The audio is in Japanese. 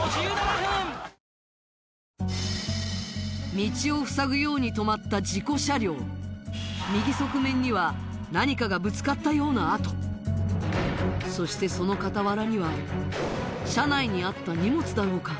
道をふさぐように止まった事故車両右側面には何かがぶつかったような跡そしてその傍らには車内にあった荷物だろうか？